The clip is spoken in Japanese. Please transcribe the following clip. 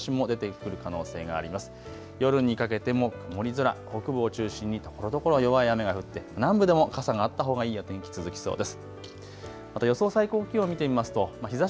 夜にかけても曇り空、北部を中心にところどころ弱い雨が降って南部でも傘があったほうがいいお天気続きそうです。